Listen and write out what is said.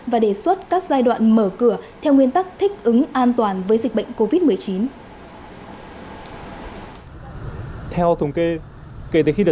và đề xuất các giai đoạn mở cửa theo nguyên tắc thích ứng an toàn với dịch bệnh covid một mươi chín